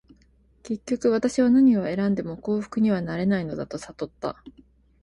結局、私は何を選んでも幸福にはなれないのだと悟った。